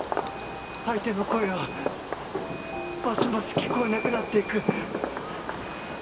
相手の声がますます聞こえなくなっていく。